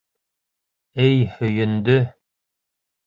Эй һөйөндө.